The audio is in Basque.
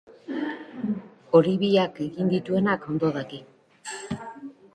Hori biak egin dituenak ondo daki.